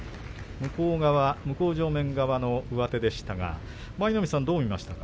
向こう側、向正面側の上手でしたが舞の海さん、どう見ましたか。